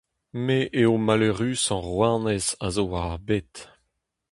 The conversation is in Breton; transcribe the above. Me eo maleürusañ rouanez a zo war ar bed !